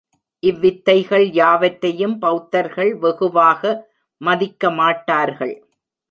இவ்வித்தைகள் யாவற்றையும் பெளத்தர்கள் வெகுவாக மதிக்க மாட்டார்கள்.